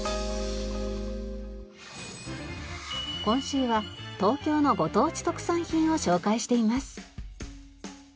今週は東京のご当地特産品を紹介しています。